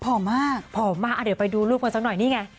มากผอมมากเดี๋ยวไปดูรูปกันสักหน่อยนี่ไง